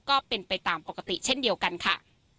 ก็เป็นไปตามปกติเช่นเดียวกันค่ะ